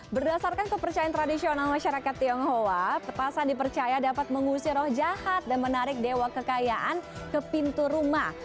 berdasarkan kepercayaan tradisional masyarakat tionghoa petasan dipercaya dapat mengusir roh jahat dan menarik dewa kekayaan ke pintu rumah